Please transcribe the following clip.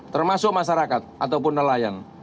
termasuk masyarakat ataupun nelayan